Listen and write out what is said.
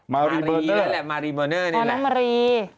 มารีเบอร์เนอร์มารีเบอร์เนอร์นี่แหละอ๋อน้องมารี